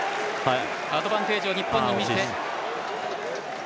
アドバンテージを日本がみて。